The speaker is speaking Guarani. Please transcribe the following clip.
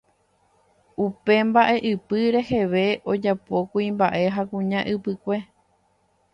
Upe mbaʼeʼypy reheve ojapo kuimbaʼe ha kuña ypykue.